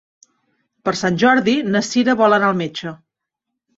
Per Sant Jordi na Cira vol anar al metge.